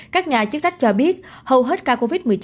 các nhà chức trách cho biết hầu hết ca covid một mươi chín